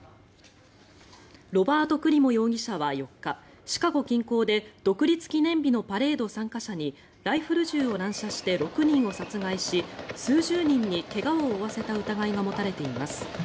ロバート・クリモ容疑者は４日シカゴ近郊で独立記念日のパレード参加者にライフル銃を乱射して６人を殺害し数十人に怪我を負わせた疑いが持たれています。